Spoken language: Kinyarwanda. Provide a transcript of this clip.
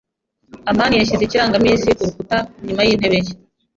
amani yashyize ikirangaminsi kurukuta inyuma yintebe ye.